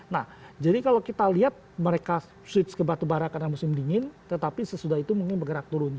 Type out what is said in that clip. nah jadi kalau kita lihat mereka switch ke batubara karena musim dingin tetapi sesudah itu mungkin bergerak turun